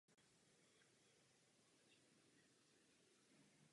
Je zde integrované překrytí pro použití ve hrách.